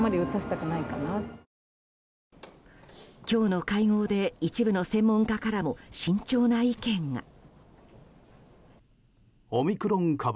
今日の会合で一部の専門家からも慎重な意見が。